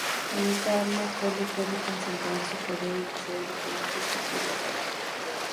Con esta arma, Cole puede concentrar su poder y hacer diferentes tipos de ataque.